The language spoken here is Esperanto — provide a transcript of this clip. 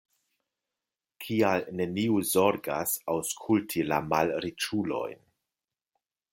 Kial neniu zorgas aŭskulti la malriĉulojn?